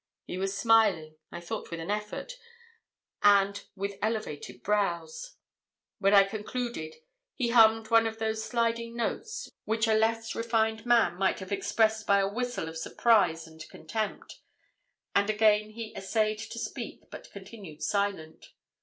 He was smiling I thought with an effort, and with elevated brows. When I concluded, he hummed one of those sliding notes, which a less refined man might have expressed by a whistle of surprise and contempt, and again he essayed to speak, but continued silent.